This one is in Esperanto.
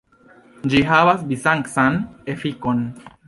Ĝi havas bizancan efikon.